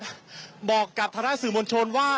ก็บอกกับทางด้านสื่อมวลชนว่า